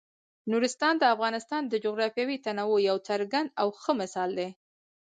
نورستان د افغانستان د جغرافیوي تنوع یو څرګند او ښه مثال دی.